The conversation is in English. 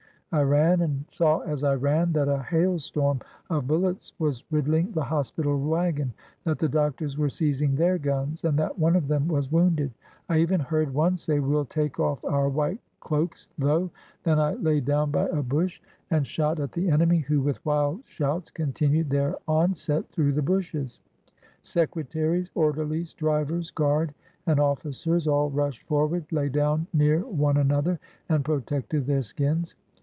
I ran, and saw as I ran that a hailstorm of bullets was riddling the hospital wagon, that the doctors were seizing their guns, and that one of them was wounded. I even heard one say: "We'll take off our white cloaks, though." Then I lay down by a bush and 4S0 ADVANCING UPON THE ENEMY shot at the enemy, who with wild shouts continued their onset through the bushes. Secretaries, orderhes, drivers, guard, and officers all rushed forward, lay down near one another, and protected their skins.